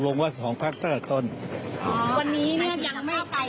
แต่สุดท้ายคือเหลือแค่๒ภักดิ์ก่อนหรือคะ